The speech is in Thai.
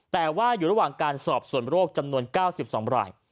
แต่ว่าอยู่ระหว่างการสอบส่วนโรคจำนวน๙๒ราย